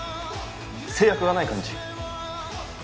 制約がない感じ。